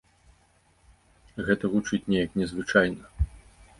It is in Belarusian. Гэта гучыць неяк незвычайна.